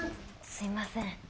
すいません。